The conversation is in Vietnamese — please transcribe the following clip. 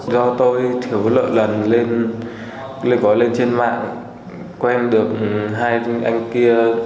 do tôi thiếu lợi lần lên gói lên trên mạng quen được hai anh kia